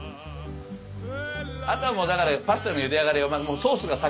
あとはだからパスタのゆで上がりよりソースが先。